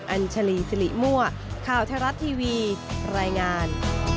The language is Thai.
อัญชลีสิริมั่วข่าวไทยรัฐทีวีรายงาน